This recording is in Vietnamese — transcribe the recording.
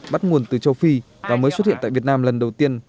bắt nguồn từ châu phi và mới xuất hiện tại việt nam lần đầu tiên